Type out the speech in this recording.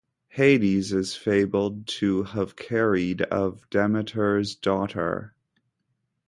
Hades is fabled to have carried of Demeter's daughter.